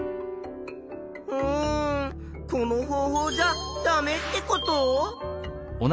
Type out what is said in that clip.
うんこの方法じゃダメってこと？